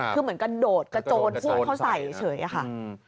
คือเหมือนกระโดดกระโจนพูดเขาใส่เฉยอะค่ะ